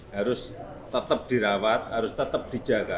harus tetap dirawat harus tetap dijaga